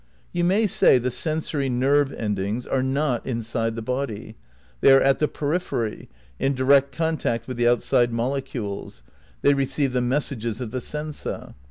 You may say the sensory nerve endings are not in ' side the body ; they are at the periphery, in direct contact with the outside molecules; they receive the messages of the sensa.